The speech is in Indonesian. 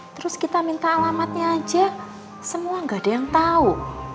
terus kita minta alamatnya aja semua gak ada yang tahu